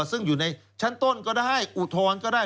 ซึ่งอยู่ในชั้นต้นก็ได้อุทธรณ์ก็ได้